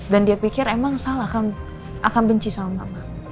dan dia pikir emang sal akan benci sama mama